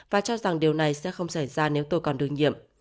và cho rằng điều này sẽ không xảy ra nếu tôi còn đương nhiệm